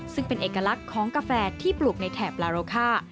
ซึ่งเป็นเอกลักษณ์ของกาแฟที่ปลูกในแถบลาโรค่า